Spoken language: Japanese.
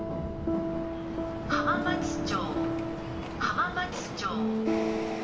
「浜松町浜松町」。